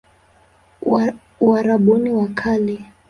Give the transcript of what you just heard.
Uarabuni wa Kale